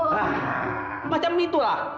hah macam itulah